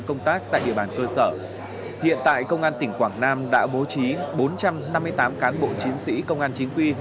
công tác tại địa bàn cơ sở hiện tại công an tỉnh quảng nam đã bố trí bốn trăm năm mươi tám cán bộ chiến sĩ công an chính quy